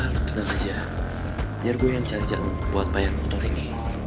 biar gue yang cari jalan buat bayar motor ini